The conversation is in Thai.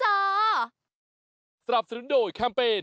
สำหรับสะดุดอยด์แคมเปน